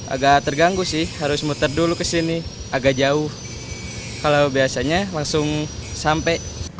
agak terganggu sih harus muter dulu ke sini agak jauh kalau biasanya langsung sampai